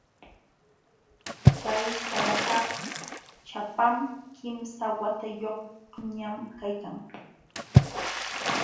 Chay salakaq ćhapam, kimsa watayuqñam kaykan.